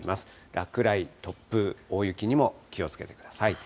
落雷、突風、大雪にも気をつけてください。